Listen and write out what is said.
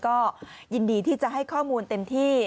ก็ยินดีที่จะให้ข้อมูลเต็มที่